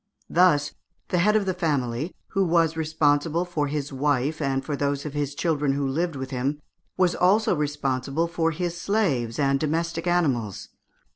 Thus the head of the family, who was responsible for his wife and for those of his children who lived with him, was also responsible for his slaves and domestic animals.